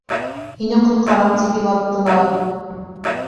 — Һине ҡотҡарам тип илаттылар.